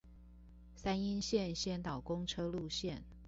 三鶯線先導公車路線